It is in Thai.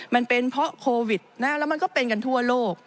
มันเป็นเพราะโควิดแล้วมันก็เป็นกันทั่วโลก